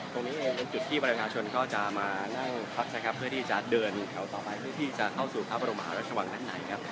ตรงนี้เองเป็นจุดที่ประชาชนก็จะมานั่งพักนะครับเพื่อที่จะเดินแถวต่อไปเพื่อที่จะเข้าสู่พระบรมหาราชวังด้านในครับ